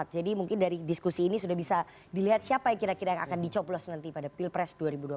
jadi mungkin dari diskusi ini sudah bisa dilihat siapa yang kira kira akan dicoplos nanti pada pilpres dua ribu dua puluh empat